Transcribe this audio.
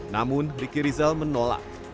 namun riki rizal menolak